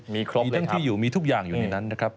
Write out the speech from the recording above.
มีทั้งที่อยู่มีทุกอย่างอยู่ในนั้นนะครับ